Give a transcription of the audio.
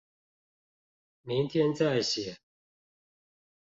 明天再寫